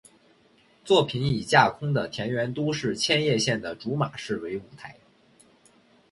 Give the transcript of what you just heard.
作品以架空的田园都市千叶县的竹马市为舞台。